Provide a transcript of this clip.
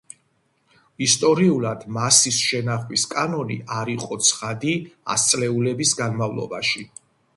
ისტორიულად, მასის შენახვის კანონი არ იყო ცხადი ასწლეულების განმავლობაში.